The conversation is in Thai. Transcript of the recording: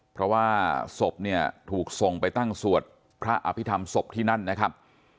เพราะว่าศพเนี่ยถูกส่งไปตั้งสวดพระอภิษฐรรมศพที่นั่นนะครับ